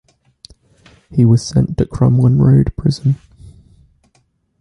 He was sent to Crumlin Road Prison.